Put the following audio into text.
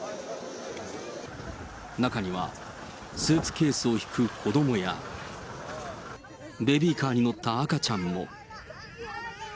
中には、スーツケースを引く子どもや、ベビーカーに乗った赤ちゃんも。